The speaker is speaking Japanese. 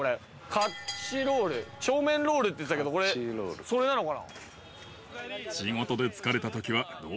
カッティロールチョウメンロールって言ってたけどこれそれなのかな。